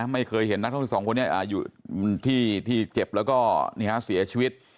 ไม่เคยเห็นนักท่องเที่ยวสองคนนี้อยู่ที่เจ็บแล้วก็เสียชีวิต